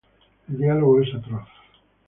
El diálogo es atroz.